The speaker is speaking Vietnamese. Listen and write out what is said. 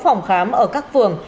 sáu phòng khám ở các phường